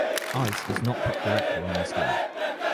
Ice is not put directly on the skin.